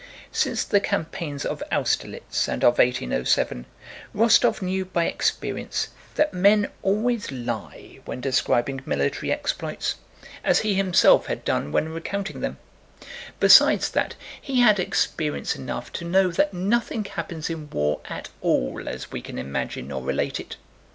Since the campaigns of Austerlitz and of 1807 Rostóv knew by experience that men always lie when describing military exploits, as he himself had done when recounting them; besides that, he had experience enough to know that nothing happens in war at all as we can imagine or relate it.